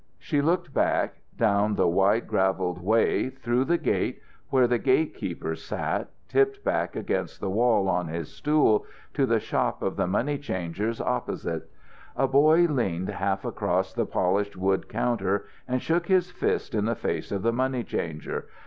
She looked back, down the wide gravelled way, through the gate, where the gate keeper sat, tipped back against the wall on his stool, to the shop of the money changer's opposite. A boy leaned half across the polished wood counter and shook his fist in the face of the money changer.